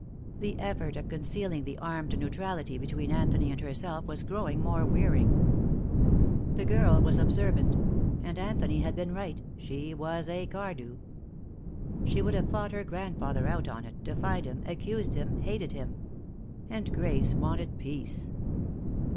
The effort of concealing the armed neutrality between Anthony and herself was growing more wearing. The girl was observant. And Anthony had been right, she was a Cardew. She would have fought her grandfather out on it, defied him, accused him, hated him. And Grace wanted peace.